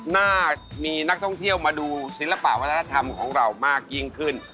น่ามีนักท่องเที่ยวมาดูศิลปะวัฒนธรรมของเรามากยิ่งขึ้น